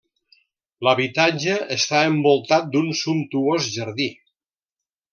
L'habitatge està envoltat d'un sumptuós jardí.